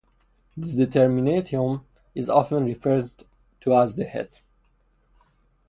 The "determinatum" is often referred to as the head.